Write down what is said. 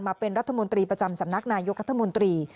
มาเป็นรัฐมนตรีประจำสำนักนายกรัฐมนตรี